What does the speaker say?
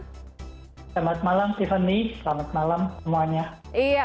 selamat malam tiffany selamat malam semuanya